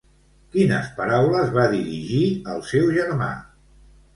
Quines paraules va dirigir al seu germà?